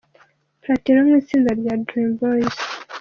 Platini wo mu itsinda rya Dream Boys.